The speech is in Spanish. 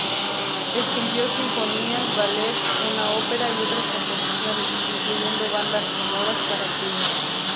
Escribió sinfonías, ballets, una ópera, y otras composiciones, incluyendo bandas sonoras para cine.